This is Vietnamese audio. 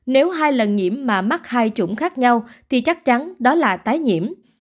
nếu hai lần nhiễm mà mắc hai chủng khác nhau thì chắc chắn đó là tái nhiễm